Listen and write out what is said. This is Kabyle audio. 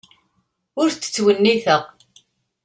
Ur tent-ttwenniteɣ.